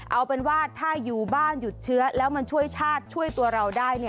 เอาเป็นว่าถ้าอยู่บ้านหยุดเชื้อแล้วมันช่วยชาติช่วยตัวเราได้